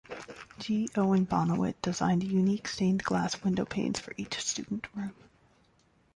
G. Owen Bonawit designed unique stained glass windowpanes for each student room.